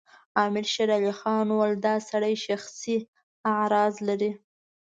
امیر وویل دا سړی شخصي اغراض لري.